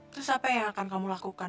terus apa yang akan kamu lakukan